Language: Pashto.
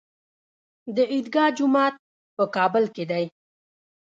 د عیدګاه جومات په کابل کې دی